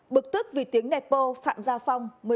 bực tức vì tiếng nẹt bô phạm gia phong